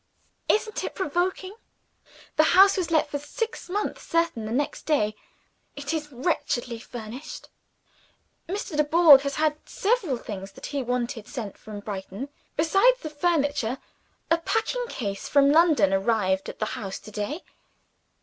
Isn't it provoking? The house was let for six months certain, the next day. It is wretchedly furnished. Mr. Dubourg has had several things that he wanted sent from Brighton. Besides the furniture, a packing case from London arrived at the house to day.